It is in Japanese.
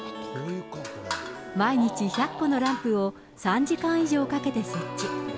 毎日１００個のランプを３時間以上かけて設置。